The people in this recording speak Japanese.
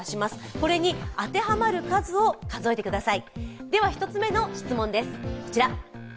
これに当てはまる数を数えてください。